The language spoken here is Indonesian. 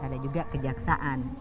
ada juga kejaksaan